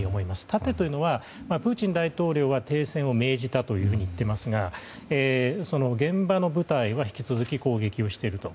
縦というのはプーチン大統領は停戦を命じたというふうに言っていますが、現場の部隊は引き続き攻撃をしていると。